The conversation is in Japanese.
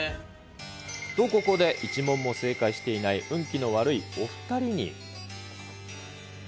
と、ここで１問も正解してない運気の悪いお２人に。